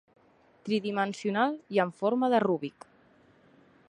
Tridimensional i amb forma de Rubik.